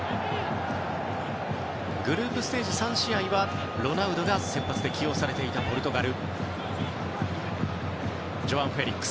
グループステージ３試合はロナウドが先発で起用されていたポルトガル。